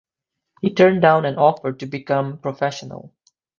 He turned down an offer to become professional.